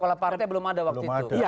kepala partai belum ada waktu itu